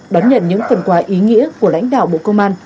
đón nhận những phần quà ý nghĩa của lãnh đạo bộ công an